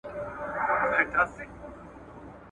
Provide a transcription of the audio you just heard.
په وېش ور رسېدلی په ازل کي فکر شل دی !.